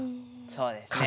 そうですね。